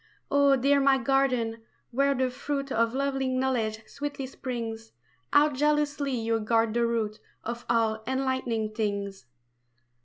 Oh, dear my garden, where the fruit Of lovely knowledge sweetly springs, How jealously you guard the root Of all enlightening things!